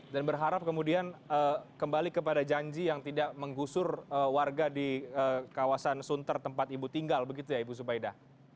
dan berharap kemudian kembali kepada janji yang tidak menggusur warga di kawasan sunter tempat ibu tinggal begitu ya ibu zubaida